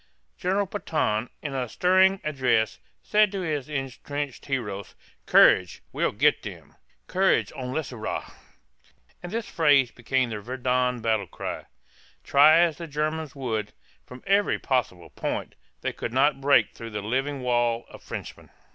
General Pétain (pā tăn´), in a stirring address, said to his entrenched heroes, "Courage, we'll get them!" ("Courage, on les aura!"), and this phrase became the Verdun battle cry. Try as the Germans would, from every possible point, they could not break through the living wall of Frenchmen.